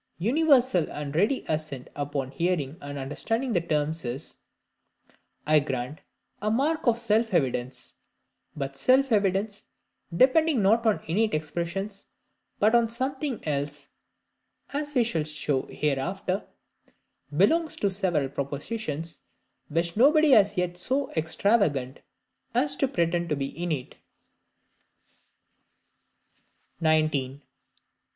Universal and ready assent upon hearing and understanding the terms is, I grant, a mark of self evidence; but self evidence, depending not on innate impressions, but on something else, (as we shall show hereafter,) belongs to several propositions which nobody was yet so extravagant as to pretend to be innate. 19.